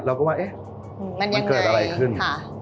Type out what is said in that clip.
เราก็ว่ามันเกิดอะไรขึ้น